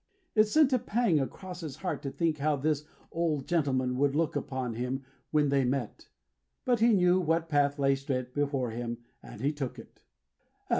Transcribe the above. It sent a pang across his heart to think how this old gentleman would look upon him when they met; but he knew what path lay straight before him, and he took it.